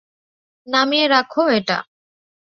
Danny, নামিয়ে রাখ এটা।